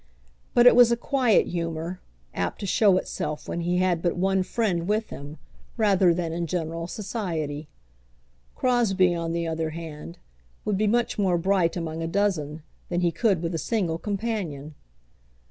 But it was a quiet humour, apt to show itself when he had but one friend with him, rather than in general society. Crosbie, on the other hand, would be much more bright among a dozen, than he could with a single companion.